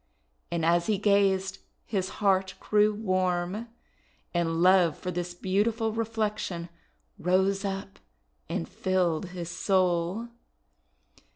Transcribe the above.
And as he gazed his cold heart grew warm, and love for this beautiful reflection rose up and filled his soul.